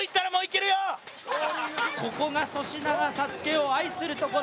ここが粗品がＳＡＳＵＫＥを愛するところ。